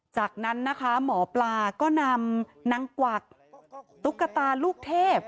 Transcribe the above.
จากนั้นนะคะหมอปลาก็นำนางกวักตุ๊กตาลูกเทพ